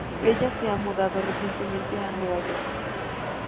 Ella se ha mudado recientemente a Nueva York.